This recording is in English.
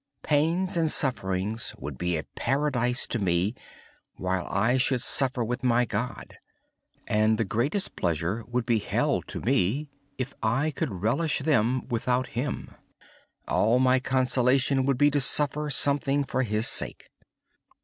Pain and suffering would be a paradise to me, if I could suffer with my God. The greatest pleasures would be hell if I relished them without Him. My only consolation would be to suffer something for His sake.